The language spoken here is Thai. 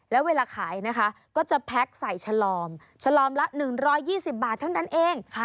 แล้วเวลาขายนะคะก็จะแพ็คใส่ฉลอมฉลอมละ๑๒๐บาทเท่านั้นเอง